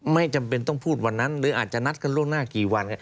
ไม่จำเป็นต้องพูดวันนั้นหรืออาจจะนัดกันล่วงหน้ากี่วัน